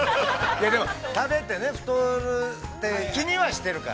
でも、食べて太るって、気にはしてるから。